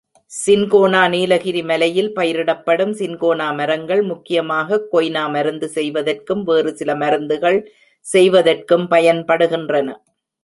Cinchona Nilgiri மலையில் பயிரிடப்படும் cinchona மரங்கள் முக்கியமாகக் கொய்னா மருந்து செய்வதற்கும் வேறுசில மருந்துகள் செய்வதற்கும் பயன்படுகின்றன.